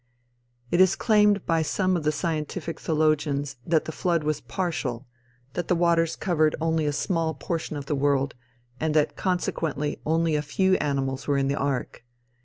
It is claimed by some of the scientific theologians that the flood was partial, that the waters covered only a small portion of the world, and that consequently only a few animals were in the ark.